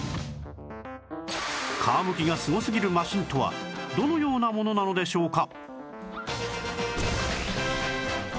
皮むきがすごすぎるマシンとはどのようなものなのでしょうか